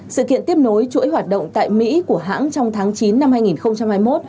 sự kiện tiếp nối chuỗi hoạt động tại mỹ của hãng trong tháng chín năm hai nghìn hai mươi một